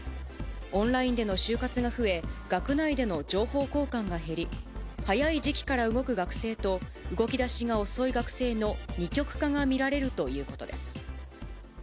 オンラインでの就活が増え、学内での情報交換が減り、早い時期から動く学生と、動きだしが遅い学生の二極化が見られるということです。